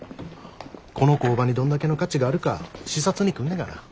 この工場にどんだけの価値があるか視察に来んねがな。